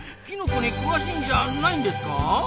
キノコに詳しいんじゃないんですか？